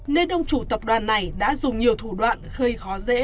nên ông chủ tập đoàn này đã dùng nhiều thủ đoạn gây khó dễ